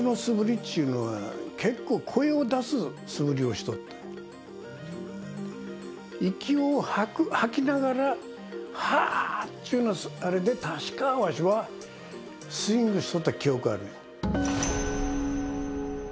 っちゅうのは息を吐きながらはあっちゅうのはあれで確かわしはスイングしとった記憶あるねん。